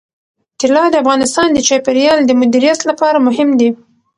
طلا د افغانستان د چاپیریال د مدیریت لپاره مهم دي.